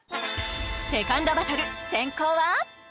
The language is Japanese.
セカンドバトル先攻は？